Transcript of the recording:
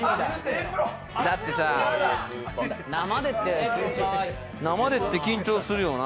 だってさ、生でって緊張するよな。